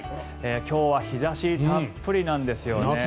今日は日差したっぷりなんですよね。